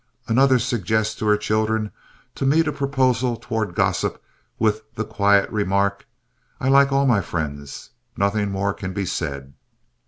"Another suggests to her children to meet a proposal toward gossip with the quiet remark, 'I like all my friends.' Nothing more can be said."